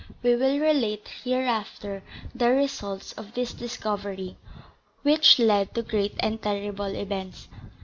We will relate hereafter the results of this discovery, which led to great and terrible events.